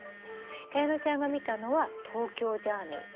加弥乃ちゃんが見たのは東京ジャーミイ。